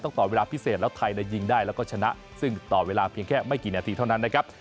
ต่อเวลาพิเศษแล้วไทยยิงได้แล้วก็ชนะซึ่งต่อเวลาเพียงแค่ไม่กี่นาทีเท่านั้นนะครับ